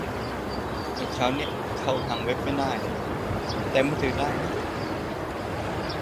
เมื่อเช้าเข้าทางเว็บไม่ได้ แต่มือถือได้นะ